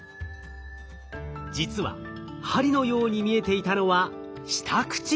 実は針のように見えていたのは下唇。